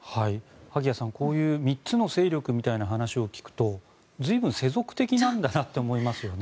萩谷さん、こういう３つの勢力みたいな話を聞くと随分世俗的なんだと思いますよね。